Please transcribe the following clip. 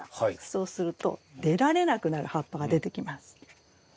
そうすると出られなくなる葉っぱが出てきます。